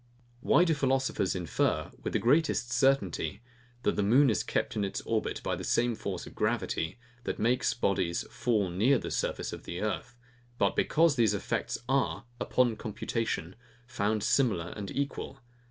Why do philosophers infer, with the greatest certainty, that the moon is kept in its orbit by the same force of gravity, that makes bodies fall near the surface of the earth, but because these effects are, upon computation, found similar and equal?